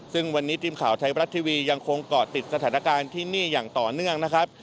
ซึ่งวันนี้ทีมข่าวไทยบรัฐทีวียังคงเกาะติดสถานการณ์ที่นี่อย่างต่อเนื่องนะครับ